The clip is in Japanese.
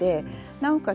なおかつ